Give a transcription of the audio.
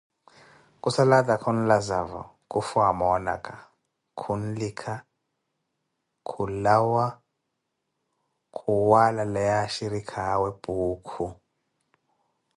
Khusala atakha onlazavo, khufwa amoonaka, khunlikha, khulawa khuwalaleya ashirikha awe Puukhu.